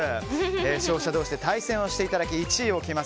勝者同士で対戦をしていただき１位を決めます。